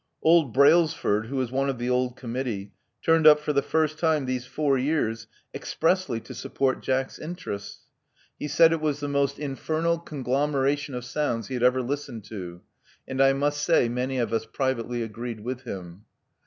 Old Brailsford, who is one of the old committee, turned up for the first time these four years expressly to support Jack's interests. He said it was the most Love Among the Artists 273 infernal conglomeration of sounds he had ever listened to ; and I must say many of us privately agreed with him.''